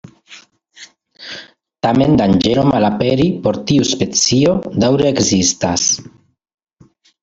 Tamen danĝero malaperi por tiu specio daŭre ekzistas.